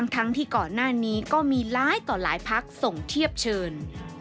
ทั้งที่ก่อนหน้านี้ก็มีหลายต่อหลายพักส่งเทียบเชิญ